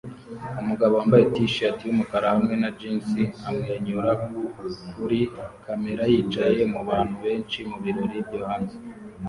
Umugabo wambaye t-shati yumukara hamwe na jeans amwenyura kuri kamera yicaye mubantu benshi mubirori byo hanze